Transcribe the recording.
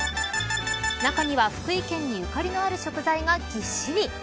中には福井県にゆかりのある食材がぎっしり。